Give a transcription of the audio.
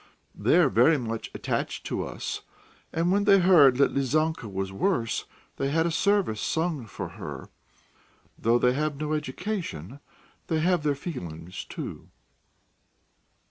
They are very much attached to us, and when they heard that Lizanka was worse they had a service sung for her. Though they have no education, they have their feelings, too."